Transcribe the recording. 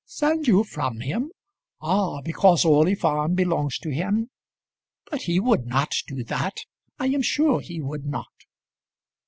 "Send you from him! Ah, because Orley Farm belongs to him. But he would not do that; I am sure he would not."